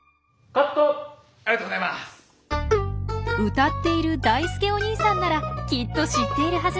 歌っているだいすけおにいさんならきっと知っているはず。